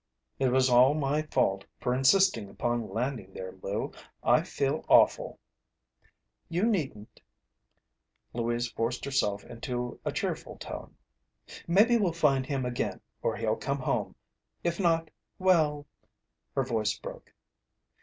"It was all my fault for insisting upon landing there. Lou, I feel awful." "You needn't." Louise forced herself into a cheerful tone. "Maybe we'll find him again or he'll come home. If not well " her voice broke.